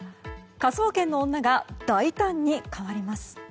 「科捜研の女」が大胆に変わります。